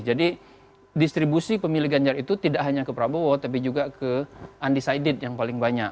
jadi distribusi pemilih ganjar itu tidak hanya ke prabowo tapi juga ke undecided yang paling banyak